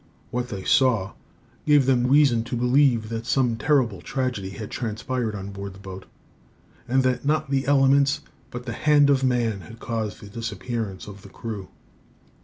What they saw gave them reason to believe that some terrible tragedy had transpired on board the boat; and that not the elements, but the hand of man, had caused the disappearance of the crew.